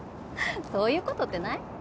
そういうことってない？